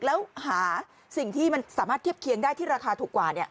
แล้วหาสิ่งที่มันสามารถเทียบเคียงได้ที่ราคาถูกกว่า